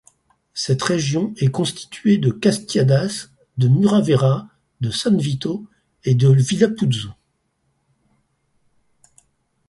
Cette région est constituée de Castiadas, de Muravera, de San Vito, et de Villaputzu.